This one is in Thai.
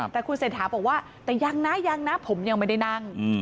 แต่คุณเสธาบอกว่าแต่ยังนะผมยังไม่ได้นั่ง